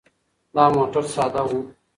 دا موټر ساده و.